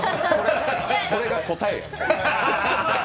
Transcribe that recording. それが答えよ。